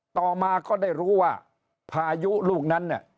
ต่อมาก็ได้รู้ว่าภายุลูกนั้น